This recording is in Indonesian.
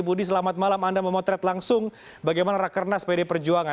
budi selamat malam anda memotret langsung bagaimana rakernas pd perjuangan